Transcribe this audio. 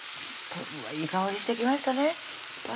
１分うわいい香りしてきましたねうわ